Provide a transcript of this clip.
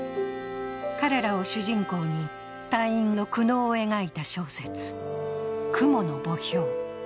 彼らを主人公に隊員の苦悩を描いた小説「雲の墓標」。